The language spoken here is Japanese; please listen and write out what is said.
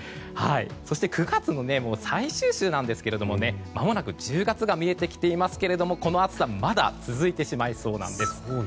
そして９月の最終週なんですがまもなく１０月が見えてきていますがこの暑さまだ続いてしまいそうなんです。